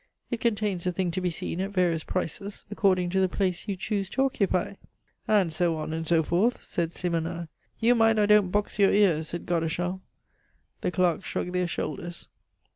It contains a thing to be seen at various prices, according to the place you choose to occupy." "And so on, and so forth!" said Simonnin. "You mind I don't box your ears!" said Godeschal. The clerk shrugged their shoulders.